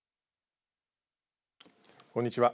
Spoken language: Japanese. こんにちは。